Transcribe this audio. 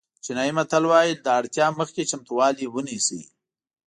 چینایي متل وایي له اړتیا مخکې چمتووالی ونیسئ.